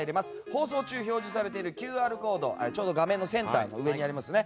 放送中表示されているＱＲコードちょうど画面のセンターの上にありますね。